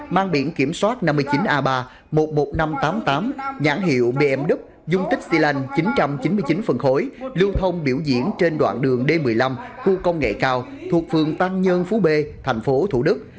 mang biển kiểm soát năm mươi chín a ba một mươi một nghìn năm trăm tám mươi tám nhãn hiệu bmw dung tích xy lanh chín trăm chín mươi chín phân khối lưu thông biểu diễn trên đoạn đường d một mươi năm khu công nghệ cao thuộc phường tăng nhân phú b tp thủ đức